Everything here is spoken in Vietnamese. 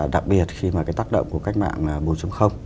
đặc biệt khi mà cái tác động của cách mạng bốn